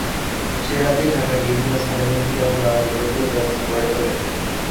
সে রাতেই ঢাকার বিভিন্ন স্থানে মুক্তিকামী বাঙালি প্রতিরোধ ব্যবস্থা গড়ে তোলে।